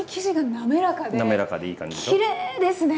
滑らかでいい感じでしょ。